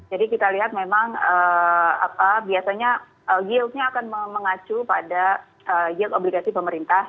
jadi kita lihat memang biasanya yieldnya akan mengacu pada yield obligasi pemerintah